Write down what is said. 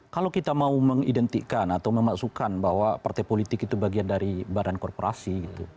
kalau kita mau mengidentikan atau memasukkan bahwa partai politik itu bagian dari badan korporasi